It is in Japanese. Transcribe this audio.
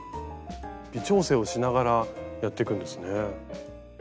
微調整をしながらやっていくんですね。